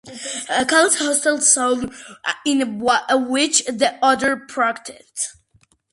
Callahan hosted salons in which the others participated.